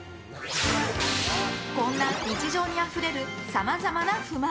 こんな日常にあふれるさまざまな不満。